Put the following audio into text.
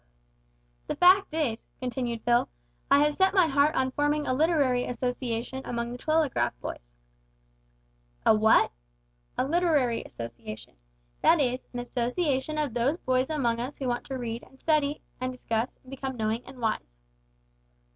"The fact is," continued Phil, "I have set my heart on forming a literary association among the telegraph boys." "A what?" "A literary association. That is, an association of those boys among us who want to read, and study: and discuss, and become knowing and wise."